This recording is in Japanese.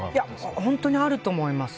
本当にあると思います。